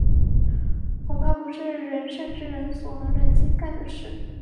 恐怕不是仁圣之人所能忍心干的事。